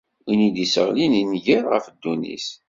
Win i d-isseɣlin nnger ɣef ddunit.